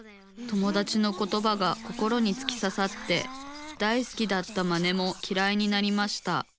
友だちのことばが心につきささって大好きだったマネもきらいになりました。